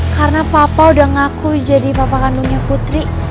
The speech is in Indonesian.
karena papa udah ngaku jadi papa kandungnya putri